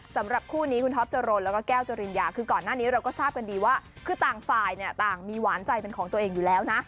สำหรับคู่นี้คุณท็อปจรนแล้วก็แก้วจริญญาคือก่อนหน้านี้เราก็ทราบกันดีว่าคือต่างฝ่ายเนี่ยต่างมีหวานใจเป็นของตัวเองอยู่แล้วนะ